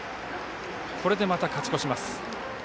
これでまた勝ち越します。